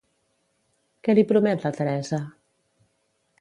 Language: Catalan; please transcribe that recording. Què li promet la Teresa?